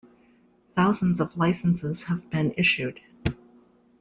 Thousands of "licenses" have been issued.